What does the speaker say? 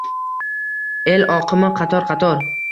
El oqimi qator-qator